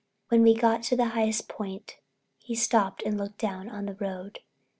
When he got to the highest point he stopped and looked down on the road.